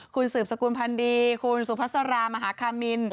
คุณสืบสกุลพันธ์ดีคุณสุภาษารามหาคามิน